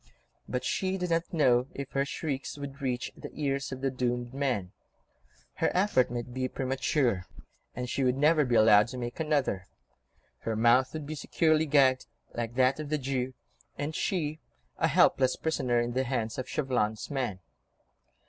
But she did not know how far from the edge of the cliff she was; she did not know if her shrieks would reach the ears of the doomed men. Her effort might be premature, and she would never be allowed to make another. Her mouth would be securely gagged, like that of the Jew, and she, a helpless prisoner in the hands of Chauvelin's men.